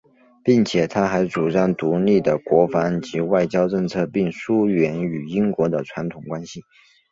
并且他还主张独立的国防及外交政策并疏远与英国的传统关系。